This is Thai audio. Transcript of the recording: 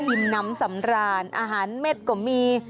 น้ำสำราญอาหารเม็ดก็มี